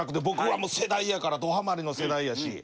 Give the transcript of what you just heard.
僕はもう世代やからどはまりの世代やし。